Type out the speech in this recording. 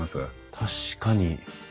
確かに。